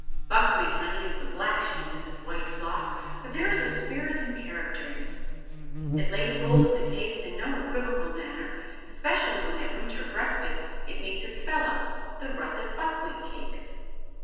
Buckwheat honey is the black sheep in this white flock, but there is spirit and character in it. It lays hold of the taste in no equivocal manner, especially when at a winter breakfast it meets its fellow, the russet buckwheat cake.